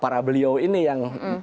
para beliau ini yang